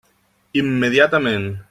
Immediatament.